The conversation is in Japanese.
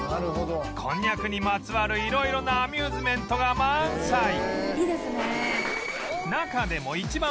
こんにゃくにまつわる色々なアミューズメントが満載